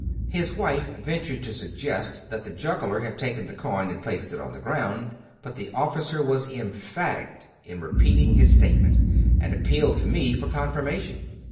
His wife ventured to suggest that the juggler had taken the coin and placed it on the ground, but the officer was emphatic in repeating his statement, and appealed to me for confirmation.